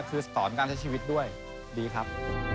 คือสอนการใช้ชีวิตด้วยดีครับ